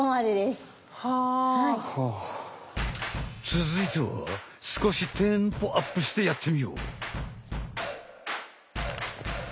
続いては少しテンポアップしてやってみよう！